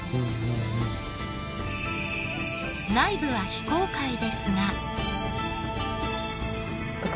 内部は非公開ですが。